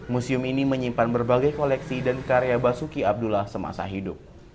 museum ini menyimpan berbagai koleksi dan karya basuki abdullah semasa hidup